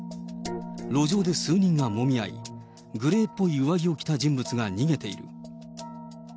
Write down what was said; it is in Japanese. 路上で数人がもみ合い、グレーっぽい上着を着た人物が逃げている。